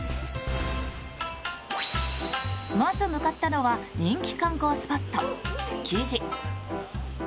まず向かったのは人気観光スポット、築地。